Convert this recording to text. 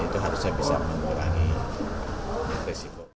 itu harusnya bisa mengurangi risiko